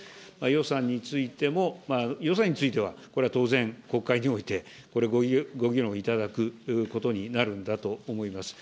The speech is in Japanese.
予算についても、予算については、これは当然、国会において、これ、ご議論いただくことになるんだと思います。